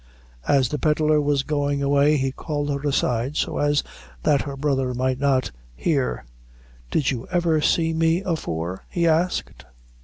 As the pedlar was going away, he called her aside, so as that her brother might not hear. "Did you ever see me afore?" he asked.